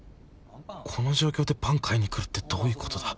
この状況でパン買いに来るってどういうことだ？